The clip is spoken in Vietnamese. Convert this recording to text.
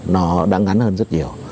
nó đáng ngắn hơn rất nhiều